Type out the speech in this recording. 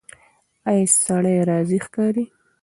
ایا سړی راضي ښکاري؟